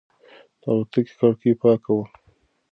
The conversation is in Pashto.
د الوتکې کړکۍ پاکه وه.